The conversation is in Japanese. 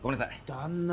旦那！